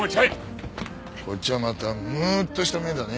こっちはまたムッとした目だね。